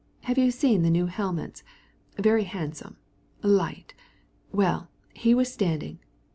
Have you seen the new helmets? Very nice, lighter. Well, so he's standing....